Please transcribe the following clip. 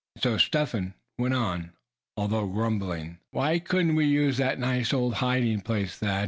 And so Step Hen went on, although grumblingly. "Why couldn't we use that nice, old hiding place, Thad?"